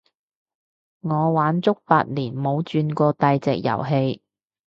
我玩足八年冇轉過第隻遊戲